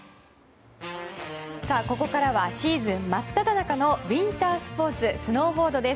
ここからはシーズン真っただ中のウインタースポーツスノーボードです。